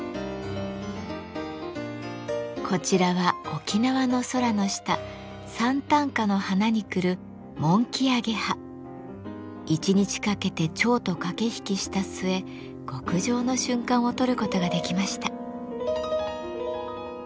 こちらは沖縄の空の下サンタンカの花に来る一日かけて蝶と駆け引きした末極上の瞬間を撮ることができました。